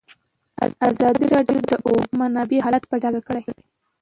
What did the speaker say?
ازادي راډیو د د اوبو منابع حالت په ډاګه کړی.